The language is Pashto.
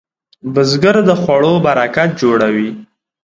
بزګر د خوړو برکت جوړوي